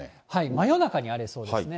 真夜中に荒れそうですね。